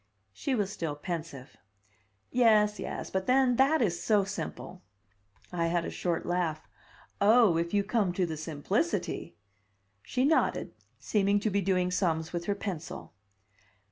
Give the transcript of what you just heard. She was still pensive. "Yes, yes, but then that is so simple." I had a short laugh. "Oh, if you come to the simplicity!" She nodded, seeming to be doing sums with her pencil.